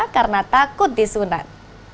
karena takut disunat